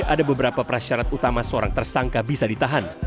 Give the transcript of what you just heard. ada beberapa prasyarat utama seorang tersangka bisa ditahan